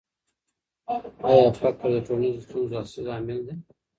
آیا فقر د ټولنیزو ستونزو اصلي لامل دی؟